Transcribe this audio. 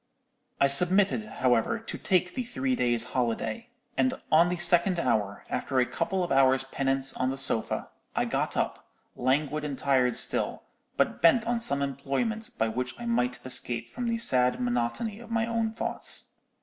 "I submitted, however, to take the three days' holiday; and on the second day, after a couple of hours' penance on the sofa, I got up, languid and tired still, but bent on some employment by which I might escape from the sad monotony of my own thoughts.